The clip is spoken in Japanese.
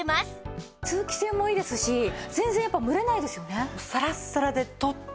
通気性もいいですし全然やっぱ蒸れないですよね。